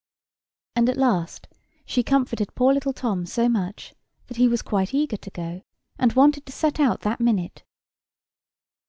And at last she comforted poor little Tom so much that he was quite eager to go, and wanted to set out that minute.